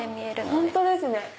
本当ですね！